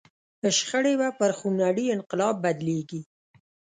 شخړې به پر خونړي انقلاب بدلېږي.